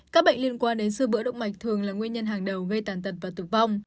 các bệnh liên quan đến sơ bỡ động mạch thường là nguyên nhân hàng đầu gây tàn tật và tử vong